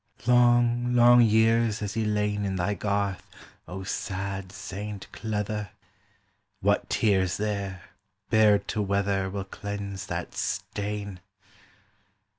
Long long years has he lain In thy garth, O sad Saint Cleather: What tears there, bared to weather, Will cleanse that stain!